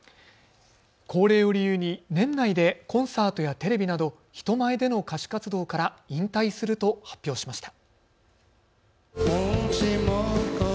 高齢を理由に年内でコンサートやテレビなど人前での歌手活動から引退すると発表しました。